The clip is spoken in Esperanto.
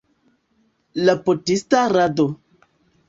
La potista rado.